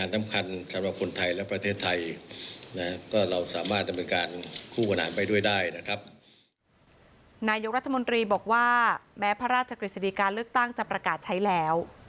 นายกรัฐมนตรีบอกว่าแม้พระราชกฤษฎีการเลือกตั้งจะประกาศใช้แล้ว